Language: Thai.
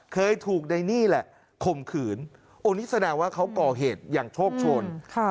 เคยถูกในนี่แหละข่มขืนโอ้นี่แสดงว่าเขาก่อเหตุอย่างโชคโชน